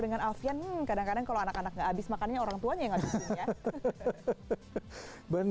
bikin hmm kadang kadang kalau anak anak nggak habis makan orang tuanya yang habis makan ya